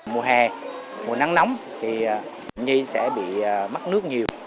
mùa hè mùa nắng nóng thì nhi sẽ bị mắc nước nhiều